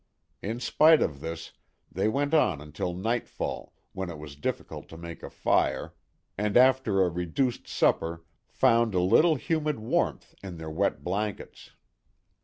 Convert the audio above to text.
In spite of this, they went on until nightfall, when it was difficult to make a fire, and after a reduced supper found a little humid warmth in their wet blankets.